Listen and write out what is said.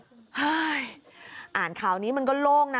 เฮ้ยอ่านข่าวนี้มันก็โล่งนะ